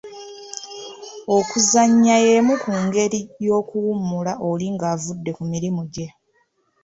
Okuzannya y’emu ku ngeri y’okuwummula oli ng’avudde ku mirimu gye.